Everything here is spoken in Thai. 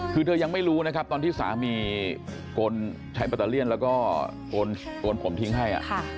คือเธอยังไม่รู้นะครับตอนที่สามีโกนใช้แบตเตอเลี่ยนแล้วก็โกนผมทิ้งให้